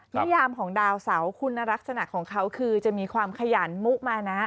นิยามของดาวเสาคุณลักษณะของเขาคือจะมีความขยันมุมานะ